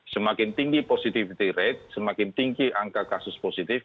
semakin tinggi positivity rate semakin tinggi angka kasus positif